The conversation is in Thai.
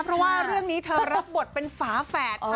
เพราะว่าเรื่องนี้เธอรับบทเป็นฝาแฝดค่ะ